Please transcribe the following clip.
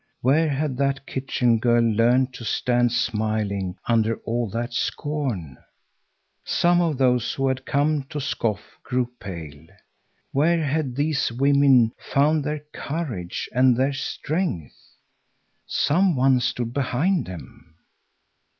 Where had that kitchen girl learned to stand smiling under all that scorn? Some of those who had come to scoff grew pale. Where had these women found their courage and their strength? Some one stood behind them.